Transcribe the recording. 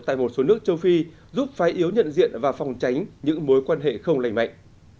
tại một số nước châu phi giúp phái yếu nhận diện và phòng tránh những mối quan hệ không lành mạnh